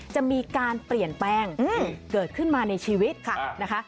จะมีการเปลี่ยนแปลงเกิดขึ้นมาในชีวิตค่ะนะคะ